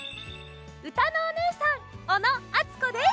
うたのおねえさん小野あつこです。